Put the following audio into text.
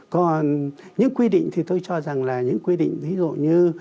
còn những quy định thì tôi cho rằng là những quy định ví dụ như